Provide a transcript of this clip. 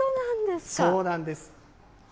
そうなんです。